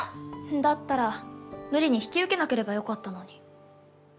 だったら無理に引き受けなければよかったのに。